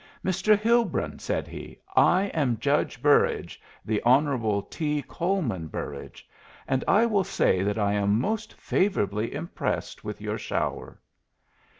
"Mr. Hilbrun," said he, "I am Judge Burrage the Honorable T. Coleman Burrage and I will say that I am most favorably impressed with your shower."